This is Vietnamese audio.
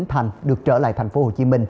thành được trở lại tp hcm